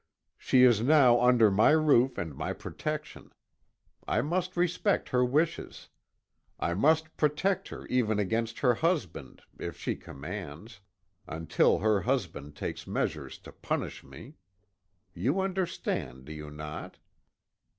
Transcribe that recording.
She is now under my roof and my protection. I must respect her wishes. I must protect her even against her husband, if she commands until her husband take measures to punish me. You understand, do you not?"